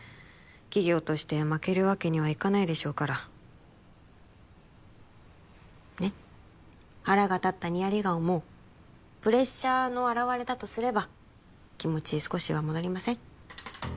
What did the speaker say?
企業として負けるわけにはいかないでしょうからねっ腹が立ったニヤリ顔もプレッシャーの表れだとすれば気持ち少しは戻りません？